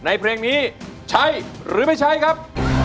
เพลงนี้ใช้หรือไม่ใช้ครับ